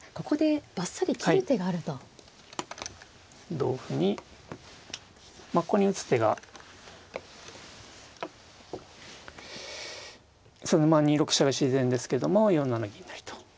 同歩にここに打つ手がまあ２六飛車が自然ですけども４七銀成と。